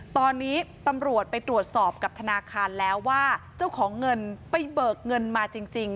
ตอนนี้ตำรวจไปตรวจสอบกับธนาคารแล้วว่าเจ้าของเงินไปเบิกเงินมาจริง